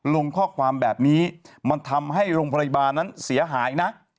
ลงข้อความแบบนี้มันทำให้โรงพยาบาลนั้นเสียหายนะ